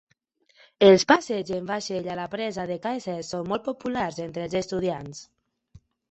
Els passeigs en vaixell a la presa de Kesses són molt populars entre els estudiants.